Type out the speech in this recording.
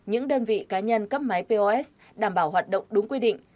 những đơn vị cá nhân cấp máy pos đảm bảo hoạt động đúng quy định